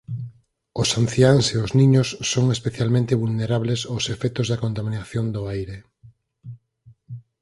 Os anciáns e os niños son especialmente vulnerables ós efectos da contaminación do aire.